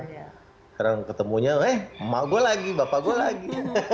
sekarang ketemunya eh mau gue lagi bapak gue lagi